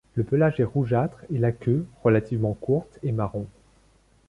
Le pelage est rougeâtre et la queue, relativement courte est marron.